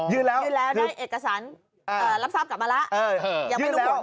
ยื่นแล้วได้เอกสารรับทราบกลับมาแล้ว